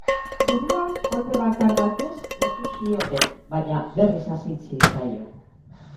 Burua kolpe bakar batez moztu zioten baina berriz hazi zitzaion.